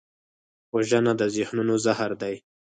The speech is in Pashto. وژنه د ذهنونو زهر دی